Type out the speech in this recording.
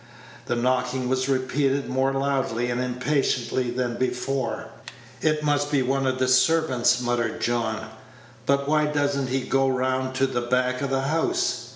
The knocking was repeated more loudly and impatiently than before. "It must be one of the servants," muttered John; "but why does n't he go round to the back of the house?